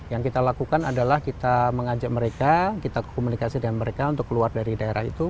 yang kita lakukan adalah kita mengajak mereka kita komunikasi dengan mereka untuk keluar dari daerah itu